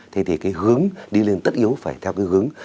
thế thì cái hướng đi lên tất yếu phải theo cái hướng